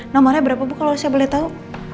nomornya berapa bu kalau saya boleh tahu